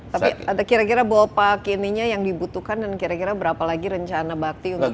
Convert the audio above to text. tapi ada kira kira boll park ininya yang dibutuhkan dan kira kira berapa lagi rencana bakti untuk